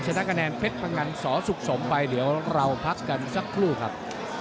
ชนะคะแนนเพชรพงันสอสุขสมไปเดี๋ยวเราพักกันสักครู่ครับ